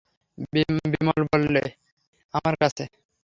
বিমল বললে, আমার কাছে।